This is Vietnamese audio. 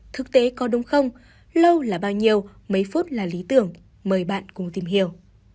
thực tế có đúng không lâu là bao nhiêu mấy phút là lý tưởng mời bạn cùng tìm hiểu